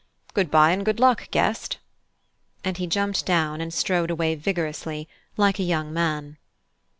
Good bye and good luck, Guest!" And he jumped down and strode away vigorously, like a young man.